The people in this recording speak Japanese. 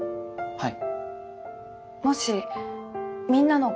はい。